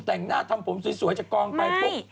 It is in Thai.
แต่งหน้าทำผมสวยจากกองไปปุ๊บ